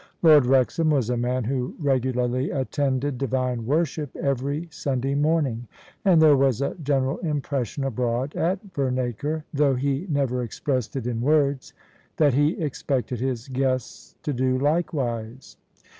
Lord Wrexham was a man who regularly attended Divine wor ship every Sunday morning: and there was a general impres sion abroad at Vernacre — though he never expressed it in words — that he expected his guests to do likewise.